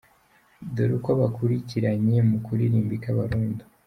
Dore uko bakurikiranye mu kuririmba i Kabarondo :.